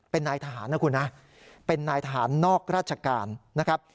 เป็นนายทหารนะคุณนะเป็นนายทหารนอกราชการนะครับ